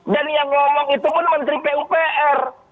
dan yang ngomong itu pun menteri pupr